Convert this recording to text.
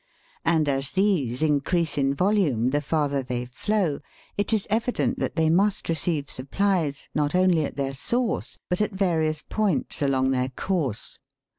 And as these increase in volume the farther they flow, it is evident that they must receive supplies, not only at their source, but at various points along their course.